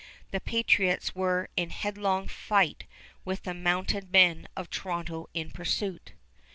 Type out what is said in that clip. The patriots were in headlong flight with the mounted men of Toronto in pursuit.